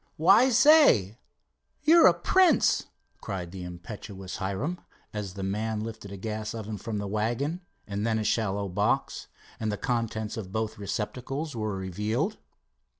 "Why, say, you're a prince!" cried the impetuous Hiram, as the man lifted a gas oven from the wagon, and then a shallow box, and the contents of both receptacles were revealed.